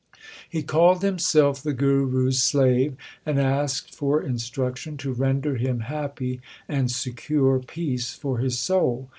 He called himself the Guru s slave and asked for instruction to render him happy and secure peace for his soul.